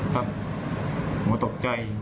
กะผมตกใจ